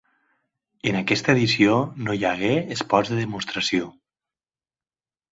En aquesta edició no hi hagué esports de demostració.